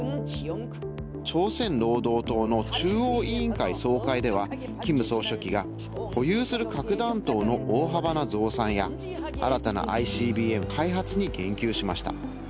朝鮮労働党の中央委員会総会では、キム総書記が保有する核弾頭の大幅な増産や新たなＩＣＢＭ開発に言及しました。